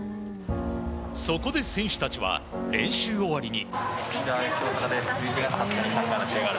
そこで選手たちは練習終わりに。